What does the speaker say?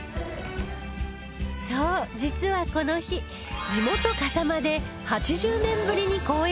そう実はこの日地元笠間で８０年ぶりに公演を行う祐子師匠